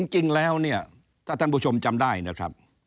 คุณภาคดรมจำได้นะครับ